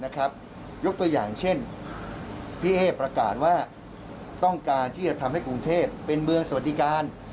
ยกตัวอย่างเช่นพี่เอ๊ประกาศว่าต้องการที่จะทำให้กรุงเทพเป็นเมืองสวัสดิการ